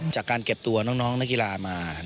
จากการเก็บตัวน้องนักกีฬามา